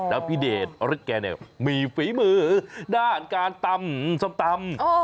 แล้วพี่เดชฤแกเนี่ยมีฝีมือด้านการตำส้มตำ